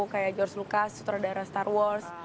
kayak george lucas sutradara star wars